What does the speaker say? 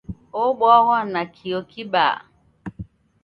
Obwaghwa nakio kibaa.